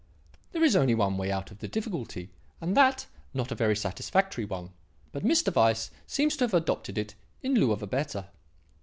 There is only one way out of the difficulty, and that not a very satisfactory one; but Mr. Weiss seems to have adopted it in lieu of a better.